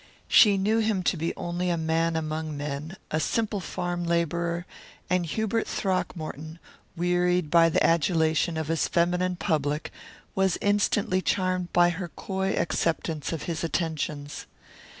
She knew him to be only a man among men, a simple farm labourer, and Hubert Throckmorton, wearied by the adulation of his feminine public, was instantly charmed by her coy acceptance of his attentions.